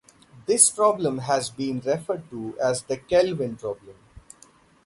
This problem has since been referred to as the Kelvin problem.